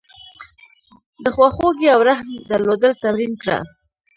د خواخوږۍ او رحم درلودل تمرین کړه.